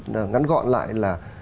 ngắn gọn lại là